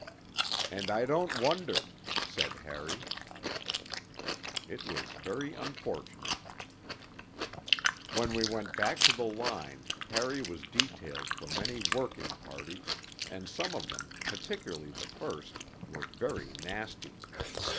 'And I don't wonder,' said Harry. It was very unfortunate. III When we went back to the line, Harry was detailed for many working parties; and some of them, particularly the first, were very nasty.